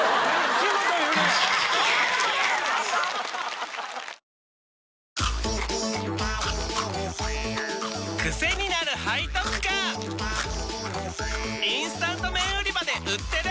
チキンかじり虫インスタント麺売り場で売ってる！